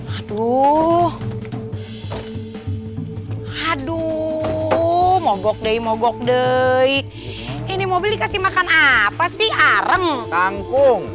aduh aduh mogok day mogok day ini mobil dikasih makan apa sih areng tangkung